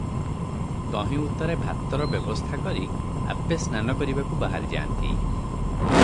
ତହିଁ ଉତ୍ତରେ ଭାତରବ୍ୟବସ୍ଥା କରି ଆପେ ସ୍ନାନ କରିବାକୁ ବାହାରିଯାନ୍ତି ।